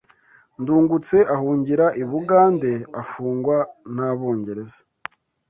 Ndungutse ahungira I Bugande, afungwa n’Abongereza